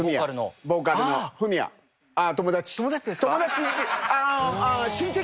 友達ですか⁉あ。